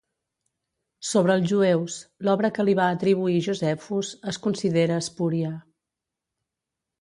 "Sobre els jueus", l'obra que li va atribuir Josephus, es considera espúria.